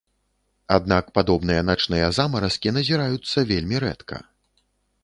Аднак падобныя начныя замаразкі назіраюцца вельмі рэдка.